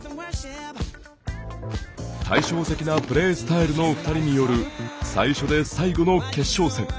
対照的なプレースタイルの２人による最初で最後の決勝戦。